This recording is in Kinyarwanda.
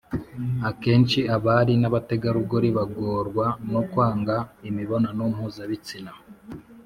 akenshi abari n’abategarugori bagorwa no kwanga imibonano mpuzabitsina.